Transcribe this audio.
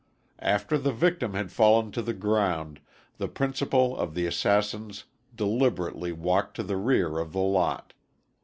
After the victim had fallen to the ground, the principal of the assassins deliberately walked to the rear of the lot.